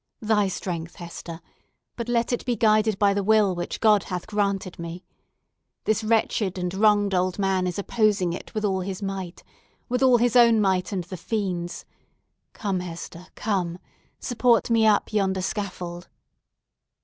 Thy strength, Hester; but let it be guided by the will which God hath granted me! This wretched and wronged old man is opposing it with all his might!—with all his own might, and the fiend's! Come, Hester—come! Support me up yonder scaffold."